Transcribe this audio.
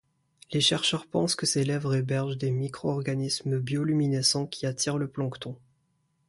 Les chercheurs pensent que ses lèvres hébergent des micro-organismes bioluminescents qui attirent le plancton.